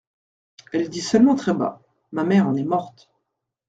Elle dit seulement très bas : —«Ma mère en est morte.